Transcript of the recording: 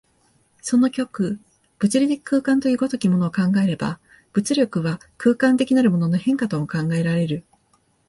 その極、物理的空間という如きものを考えれば、物力は空間的なるものの変化とも考えられる。